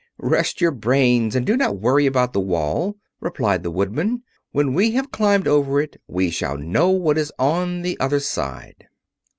"Rest your brains and do not worry about the wall," replied the Woodman. "When we have climbed over it, we shall know what is on the other side."